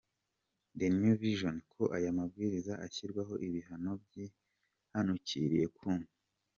the New vision ko aya mabwiriza ashyiriweho ibihano byihanukiriye ku